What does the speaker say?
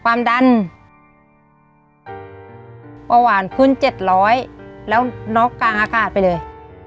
ความดันความดันประหว่างคุณเจ็ดร้อยแล้วน็อกกางฮาฆาตไปเลย